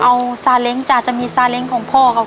เอาซาเล้งจ้ะจะมีซาเล้งของพ่อครับ